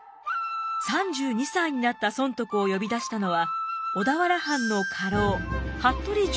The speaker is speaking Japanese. ３２歳になった尊徳を呼び出したのは小田原藩の家老服部十郎兵衛。